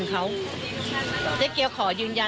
มีความว่ายังไง